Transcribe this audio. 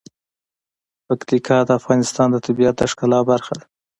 پکتیکا د افغانستان د طبیعت د ښکلا برخه ده.